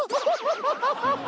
ハハハハ！